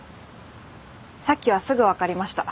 さっきはすぐ分かりました。